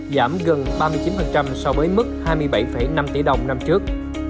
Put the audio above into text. giảm gần ba mươi chín so với mức hai mươi bảy năm tỷ đồng năm trước